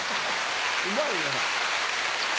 うまいな。